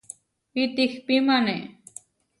Itihpímane.